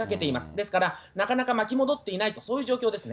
ですから、なかなか巻き戻っていないと、そういう状況ですね。